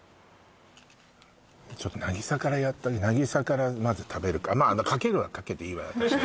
ちょっと凪紗からやってあげて凪紗からまず食べるからまあかけるのはかけていいわよ